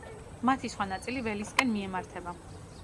მათი სხვა ნაწილი ველისკენ მიემართება.